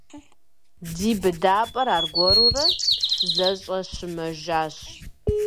Ди быдапӀэр аргуэру зэщӀэщымэжащ.